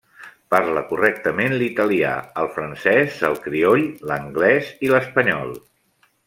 Parla correctament l'italià, el francès, el crioll, l'anglès i l'espanyol.